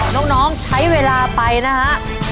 น้องใช้เวลาไปนะฮะ